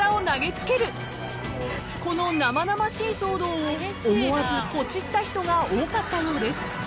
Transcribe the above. ［この生々しい騒動を思わずポチった人が多かったようです］